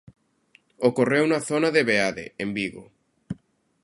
Ocorreu na zona de Beade, en Vigo.